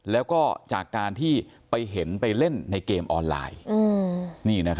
แล้วก็จากการที่ไปเห็นไปเล่นในเกมออนไลน์